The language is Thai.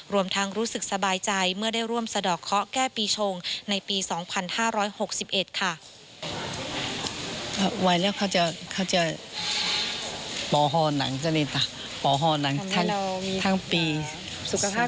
รวมทั้งรู้สึกสบายใจเมื่อได้ร่วมสะดอกเคาะแก้ปีชงในปี๒๕๖๑ค่ะ